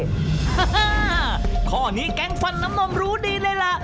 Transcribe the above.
ข้อนี้แก๊งฟันน้ำนมรู้ดีเลยล่ะ